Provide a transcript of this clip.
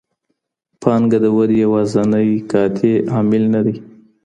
پانګه د ودې يوازينی قاطع عامل نه دی.